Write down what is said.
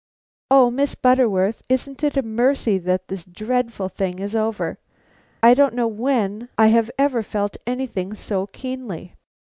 "Oh, Miss Butterworth, isn't it a mercy that this dreadful thing is over! I don't know when I have ever felt anything so keenly."